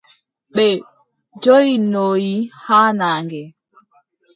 Ɓe joʼinoyi haa naange.